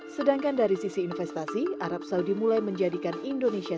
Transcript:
sedangkan dari sisi investasi arab saudi mulai menjadikan indonesia